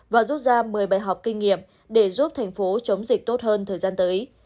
và rút ra một mươi bài học kinh nghiệm để giúp thành phố chống dịch tốt hơn thời gian tới